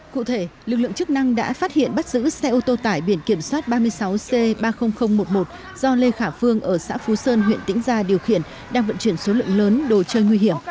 cụ thể lực lượng chức năng đã phát hiện bắt giữ xe ô tô tải biển kiểm soát ba mươi sáu c ba mươi nghìn một mươi một do lê khả phương ở xã phú sơn huyện tĩnh gia điều khiển đang vận chuyển số lượng lớn đồ chơi nguy hiểm